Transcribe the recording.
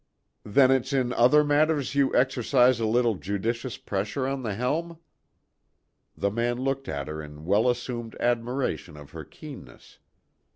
"Then it's in other matters you exercise a little judicious pressure on the helm?" The man looked at her in well assumed admiration of her keenness.